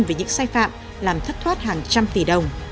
về những sai phạm làm thất thoát hàng trăm tỷ đồng